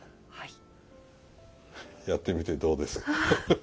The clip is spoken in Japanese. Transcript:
やってみてどうですか？